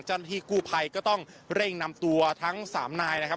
เจ้าหน้าที่กู้ภัยก็ต้องเร่งนำตัวทั้ง๓นายนะครับ